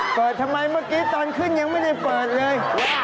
ทำไมเมื่อกี้ตอนขึ้นยังไม่ได้เปิดเลย